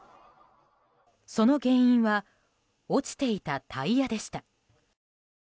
その原因は落ちていたタイヤでした。